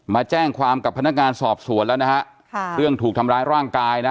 มาแจ้งความกับพนักงานสอบสวนแล้วนะฮะค่ะเรื่องถูกทำร้ายร่างกายนะ